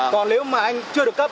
còn nếu mà anh chưa được cấp